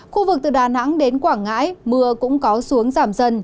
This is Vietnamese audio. khu vực từ đà nẵng đến quảng ngãi mưa cũng có xu hướng giảm dần